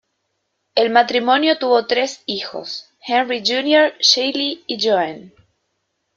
El matrimonio tuvo tres hijos: Henry Jr., Shelley y Joan.